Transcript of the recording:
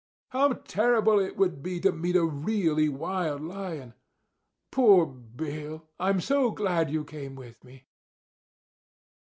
How terrible it would be to meet a really wild lion! Poor Bill! I'm so glad you came with me!"